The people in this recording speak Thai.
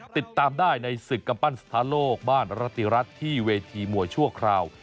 ติดตามได้ในศึกกำปั้นสถานโลกบ้านรติรัฐที่เวทีมวยชั่วคราว